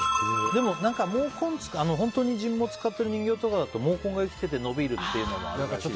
でも、本当に人毛使ってる人形だと毛根が生きてて伸びるっていうのは。